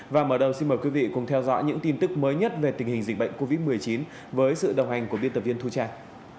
và mở đầu xin mời quý vị cùng theo dõi những tin tức mới nhất về tình hình dịch bệnh covid một mươi chín với sự đồng hành của biên tập viên thu trang